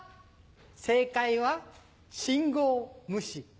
正解は信号ムシ。